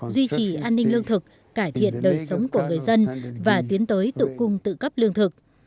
duy trì an ninh lương thực cải thiện đời sống của người dân và tiến tới tự cung tự cấp lương thực